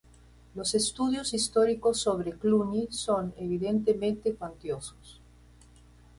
Los estudios históricos sobre Cluny son, evidentemente, cuantiosos.